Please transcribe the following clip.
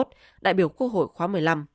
đại biểu quốc hội khóa một mươi năm